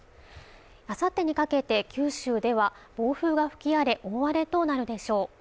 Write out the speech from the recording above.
あさってにかけて九州では暴風が吹き荒れ大荒れとなるでしょう